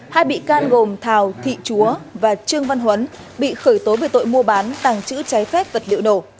hai bị can gồm thào thị chúa và trương văn huấn bị khởi tố về tội mua bán tàng trữ trái phép vật liệu nổ